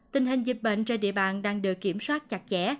tình hình dịch bệnh trên địa bàn đang được kiểm soát chặt chẽ